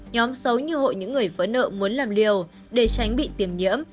nhóm xấu như hội những người với nợ muốn làm liều để tránh bị tiềm nhiễm